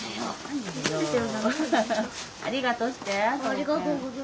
「ありがとう」して。